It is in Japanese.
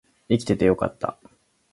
生きててよかった